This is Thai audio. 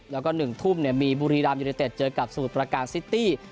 แล้วก็๑ทุ่มมีบุรีรามยูเนเต็ดเจอกับสมุทรประการซิตี้